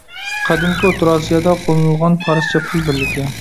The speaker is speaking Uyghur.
قەدىمكى ئوتتۇرا ئاسىيادا قوللىنىلغان پارسچە پۇل بىرلىكى.